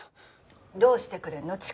どうしてくれるの？